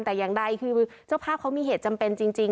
แต่อย่างใดคือเจ้าภาพเขามีเหตุจำเป็นจริง